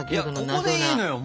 いやここでいいのよ